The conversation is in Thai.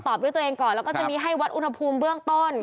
ด้วยตัวเองก่อนแล้วก็จะมีให้วัดอุณหภูมิเบื้องต้น